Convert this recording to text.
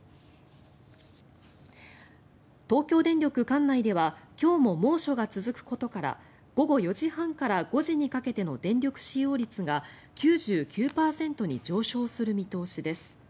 管内では今日も猛暑が続くことから午後４時半から５時にかけての電力使用率が９９％に上昇する見通しです。